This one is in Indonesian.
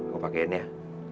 kau pakein ya